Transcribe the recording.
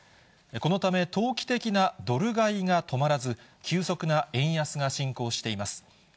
このため、投機的なドル買いが止まらず、急速な円安が進行しています。